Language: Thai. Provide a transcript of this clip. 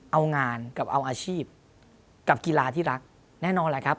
เอางานกับเอาอาชีพกับกีฬาที่รักแน่นอนแหละครับ